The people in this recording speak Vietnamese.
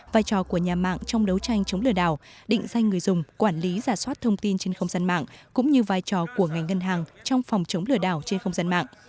vai trò của nhà mạng trong đấu tranh chống lừa đảo định danh người dùng quản lý giả soát thông tin trên không gian mạng cũng như vai trò của ngành ngân hàng trong phòng chống lừa đảo trên không gian mạng